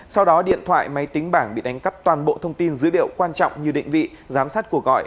sau đó điện thoại máy tính bảng bị đánh cắp toàn bộ thông tin dữ liệu quan trọng như định vị giám sát cuộc gọi